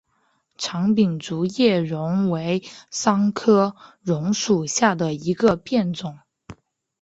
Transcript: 长柄竹叶榕为桑科榕属下的一个变种。